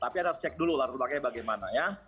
tapi anda harus cek dulu lah rupanya bagaimana ya